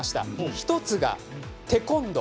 １つが、テコンドー。